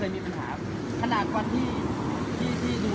ตอนนี้กำหนังไปคุยของผู้สาวว่ามีคนละตบ